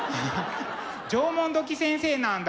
「縄文土器先生」なんだ。